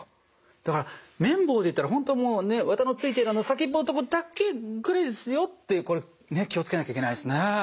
だから綿棒でいったら本当もう綿のついてる先っぽのとこだけぐらいですよってこれ気を付けなきゃいけないですね。